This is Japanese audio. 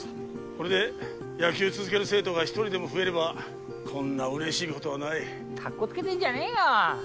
これで野球続ける生徒が一人でも増えればこんな嬉しいことはないカッコつけてんじゃねえよ